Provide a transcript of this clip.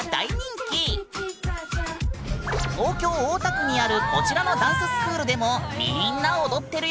東京・大田区にあるこちらのダンススクールでもみんな踊ってるよ！